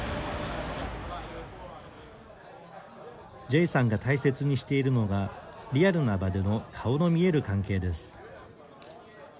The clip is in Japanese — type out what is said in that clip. ジェイさんが大切にしているのがリアルな場での顔の見える関係です。